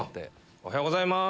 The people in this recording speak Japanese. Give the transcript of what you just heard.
おはようございます！